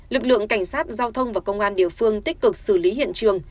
lực lượng cảnh sát giao thông và công an địa phương tích cực xử lý hiện trường